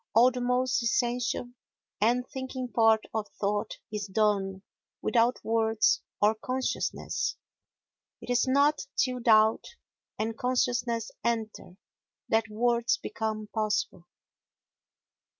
All the most essential and thinking part of thought is done without words or consciousness. It is not till doubt and consciousness enter that words become possible.